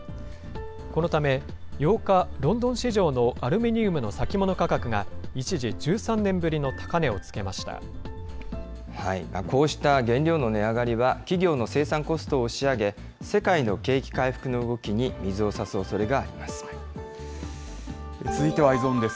このため、８日、ロンドン市場のアルミニウムの先物価格が一時１こうした原料の値上がりは企業の生産コストを押し上げ、世界の景気回復の動きに水をさすおそれがあります。